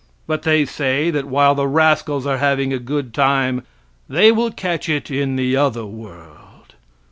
But they say that while the rascals are having a good time, they will catch it in the other world.